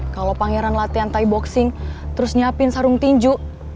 kalo pangeran latihan thai boxing terus nyiapin sarung tinju